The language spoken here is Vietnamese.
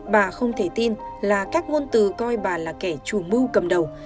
bà không thể tin là các ngôn từ coi bà là kẻ chủ mưu cầm đầu